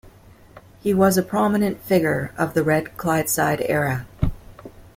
He was a prominent figure of the Red Clydeside era.